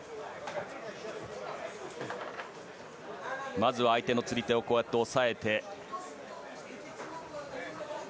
まずは相手の釣り手を押さえて。